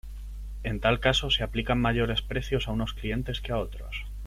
En tal caso, se aplican mayores precios a unos clientes que a otros.